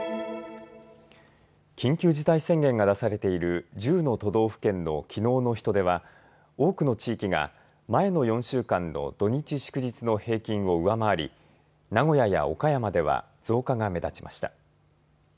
緊急事態宣言が出されている１０の都道府県のきのうの人出は多くの地域が前の４週間の土日、祝日の平均を上回り名古屋や岡山では増加が目立ちました。